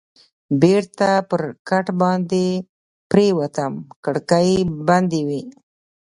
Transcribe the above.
بېرته پر کټ باندې پرېوتم، کړکۍ بندې وې.